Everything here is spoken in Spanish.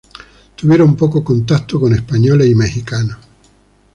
Tuvieron poco contacto con españoles y mexicanos.